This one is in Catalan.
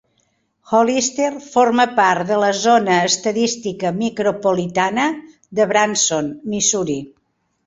Hollister forma part de la zona estadística micropolitana de Branson, Missouri.